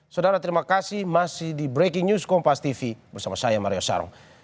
saudara terima kasih masih di breaking news kompas tv bersama saya mario sarung